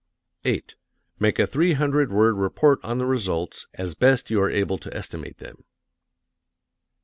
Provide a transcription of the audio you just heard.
8. Make a three hundred word report on the results, as best you are able to estimate them.